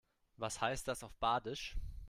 Was heißt das auf Badisch?